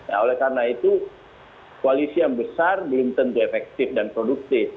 nah oleh karena itu koalisi yang besar belum tentu efektif dan produktif